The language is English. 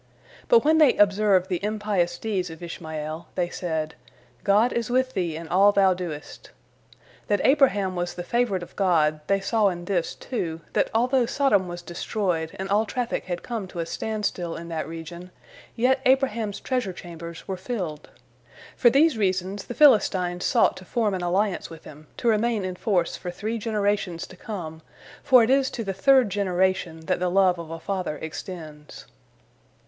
But when they observed the impious deeds of Ishmael, they said, "God is with thee in all thou doest." That Abraham was the favorite of God, they saw in this, too, that although Sodom was destroyed and all traffic had come to a standstill in that region, yet Abraham's treasure chambers were filled. For these reasons, the Philistines sought to form an alliance with him, to remain in force for three generations to come, for it is to the third generation that the love of a father extends.